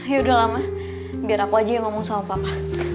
yaudah lama biar aku aja yang ngomong sama papa